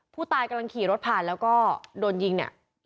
ผู้ตายกำลังขี่รถผ่านแล้วก็โดนยิงเนี่ย